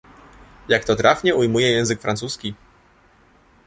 Jak to trafnie ujmuje język francuski